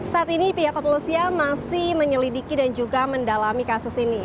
saat ini pihak kepolisian masih menyelidiki dan juga mendalami kasus ini